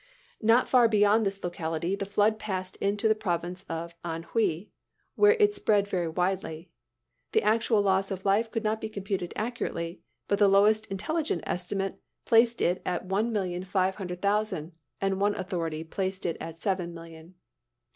"Not far beyond this locality the flood passed into the province of Anhui, where it spread very widely. The actual loss of life could not be computed accurately, but the lowest intelligent estimate placed it at one million five hundred thousand, and one authority placed it at seven million."